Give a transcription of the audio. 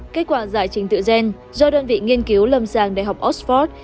kết quả giải trình tựa gen do đoàn vị nghiên cứu lâm sàng đại học oxford